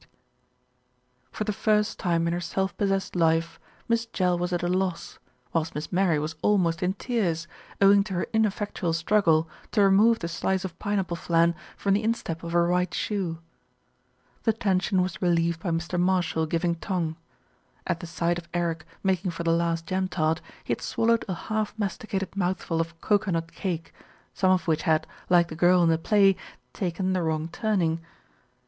114 THE RETURN OF ALFRED For the first time in her self possessed life, Miss Jell was at a loss, whilst Miss Mary was almost in tears, owing to her ineffectual struggle to remove the slice of pineapple flan from the instep of her right shoe. The tension was relieved by Mr. Marshall giving tongue. At the sight of Eric making for the last jam tart, he had swallowed a half masticated mouthful of cokernut cake, some of which had, like the girl in the play, taken the wrong turning.